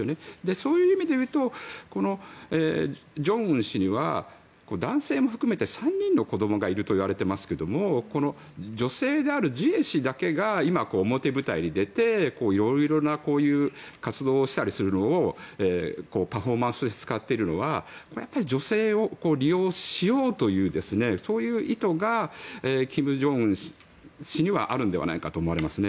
そういう意味でいうと正恩氏には男性も含めて３人の子どもがいるといわれていますがこの女性であるジュエ氏だけが今、表舞台に出て色々なこういう活動をしたりするのをパフォーマンスとして使っているのはやっぱり女性を利用しようという意図が金正恩氏にはあるのではないかと思われます。